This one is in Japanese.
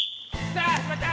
さあはじまった！